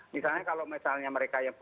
misalnya kalau misalnya mereka yang